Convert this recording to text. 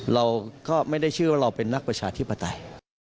เราก็ไม่ได้เชื่อว่าเราเป็นนักประชาธิปไตย